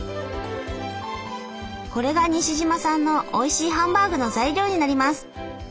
これが西島さんのおいしいハンバーグの材料になります。